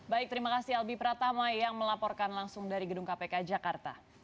baik terima kasih albi pratama yang melaporkan langsung dari gedung kpk jakarta